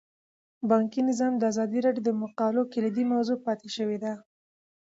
بانکي نظام د ازادي راډیو د مقالو کلیدي موضوع پاتې شوی.